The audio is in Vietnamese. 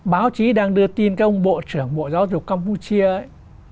báo chí đang đưa tin các ông bộ trưởng bộ giáo dục campuchia ấy